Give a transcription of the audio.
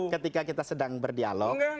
ketika kita sedang berdialog